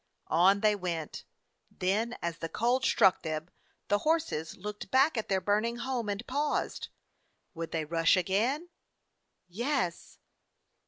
On they went ; then, as the cold struck them, the horses looked back at their burning home and paused. Would they rush again? Yes!